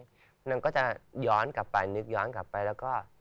นางก็จะย้อนกลับไปนึกย้อนกลับไปแล้วก็